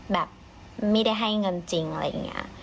แบบไม่ได้ให้เงินจริงอะไรอย่างนี้